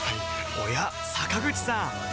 おや坂口さん